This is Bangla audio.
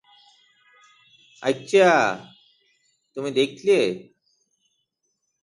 আচ্ছা, তুমি দেখলে?